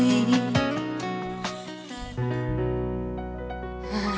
อินโทรเพลงที่๓มูลค่า๔๐๐๐๐บาทมาเลยครับ